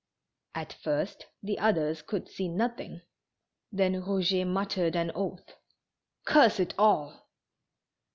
At first the others could see nothing, then Eouget muttered an oath : "Curse it all